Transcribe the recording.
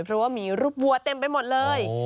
เพราะว่ามีรูปวัวเต็มไปหมดเลย